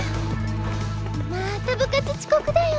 また部活遅刻だよ。